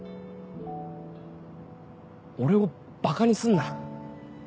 俺をばかにすんな。